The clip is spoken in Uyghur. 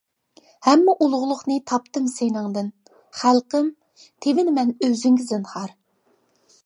ھەممە ئۇلۇغلۇقنى تاپتىم سېنىڭدىن، خەلقىم، تېۋىنىمەن ئۆزۈڭگە زىنھار!